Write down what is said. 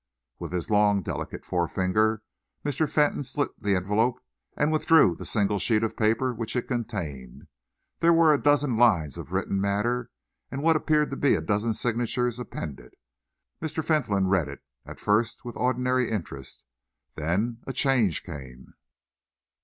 With his long, delicate forefinger Mr. Fentolin slit the envelope and withdrew the single sheet of paper which it contained. There were a dozen lines of written matter, and what appeared to be a dozen signatures appended. Mr. Fentolin read it, at first with ordinary interest. Then a change came.